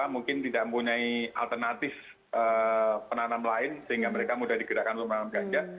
mungkin tidak mempunyai alternatif penanam lain sehingga mereka mudah digerakkan untuk menanam ganja